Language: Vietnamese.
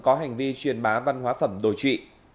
có hành vi truyền bá văn hóa phẩm đổi trị